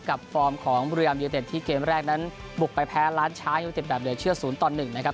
กับฟอร์มของเรียมเยอเด็ดที่เกมแรกนั้นบุกไปแพ้ล้านช้าอยู่ติดแบบเดือดเชื่อศูนย์ตอนหนึ่งนะครับ